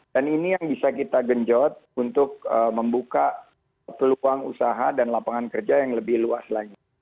dan ini yang bisa kita genjot untuk membuka peluang usaha dan lapangan kerja yang lebih luas lagi